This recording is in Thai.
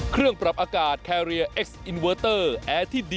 ครับครับครับ